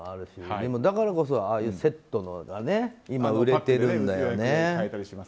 でもだからこそああいうセットが今、売れてるんだよね。